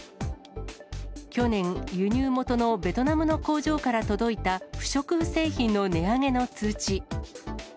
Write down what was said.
去年、輸入元のベトナムの工場から届いた、不織布製品の値上げの通知。